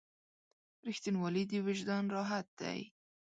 • رښتینولی د وجدان راحت دی.